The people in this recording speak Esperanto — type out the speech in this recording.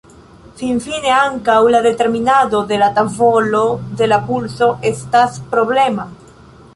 Finfine ankaŭ la determinado de la tavolo de la pulso estas problema.